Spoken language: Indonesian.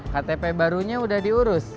ktp barunya udah diurus